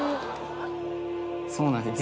そうなんです。